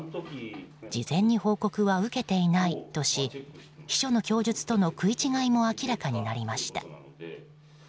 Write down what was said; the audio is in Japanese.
事前に報告は受けていないとし秘書の供述との食い違いも明らかになりました。